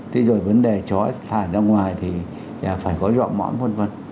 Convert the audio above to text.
thế rồi vấn đề chó thả ra ngoài thì phải có rộng mõm v v